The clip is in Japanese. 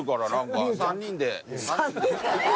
３人で。